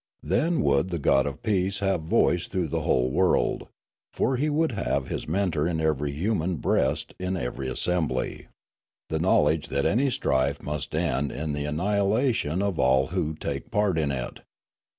Then would the god of peace have voice through the whole world, for he would have his mentor in ever)' human breast in every assembl}^, the knowledge that any strife must Broolyi 369 end in the annihilation of all those who take part in it.